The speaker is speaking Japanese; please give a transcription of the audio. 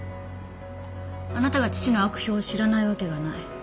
あなたが父の悪評を知らないわけがない。